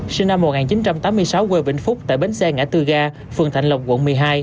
sinh năm một nghìn chín trăm tám mươi sáu quê vĩnh phúc tại bến xe ngã tư ga phường thạnh lộc quận một mươi hai